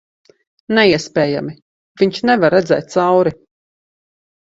Neiespējami. Viņš nevar redzēt cauri...